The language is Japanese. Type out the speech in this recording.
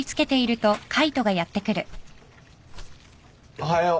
・おはよう。